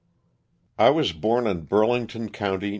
T WAS born in Burlington county, N.